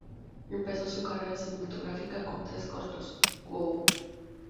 Empezó su carrera cinematográfica con tres cortos: "Who?